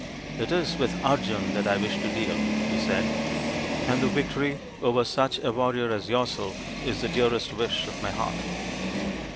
" It is with Arjun that I wish to deal/' he said, " and the victory over such a warrior as yourself is the dearest wish of my heart."